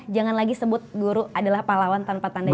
jangan lagi sebut guru adalah pahlawan tanpa tanda